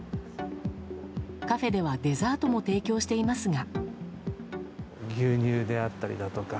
カフェではデザートも提供していますが。